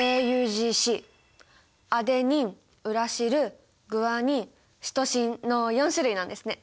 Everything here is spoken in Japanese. アデニンウラシルグアニンシトシンの４種類なんですね！